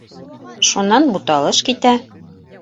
Шунан буталыш китә.